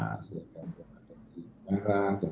ada kitaran dan sebagainya